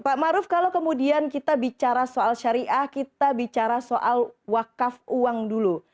pak maruf kalau kemudian kita bicara soal syariah kita bicara soal wakaf uang dulu